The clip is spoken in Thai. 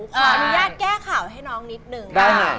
ขออนุญาตแก้ข่าวให้น้องนิดนึง